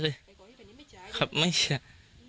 แกกอฮีป๋านนี้ไม่แจ้ย